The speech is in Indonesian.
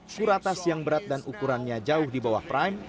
suratas yang berat dan ukurannya jauh di bawah prime